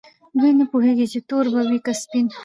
دوی نه پوهیږي چې تور به وي که سپین.